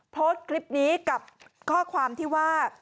โพสต์คลิปนี้กับข้อความที่ว่า